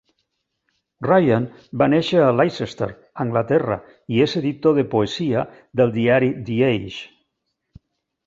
Ryan va néixer a Leicester, Anglaterra, i és editor de poesia del diari 'The Age'.